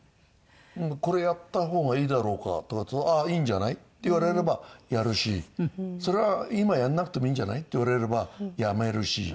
「これやった方がいいだろうか？」とかって言うと「ああいいんじゃない？」って言われればやるし「それは今やらなくてもいいんじゃない？」って言われればやめるし。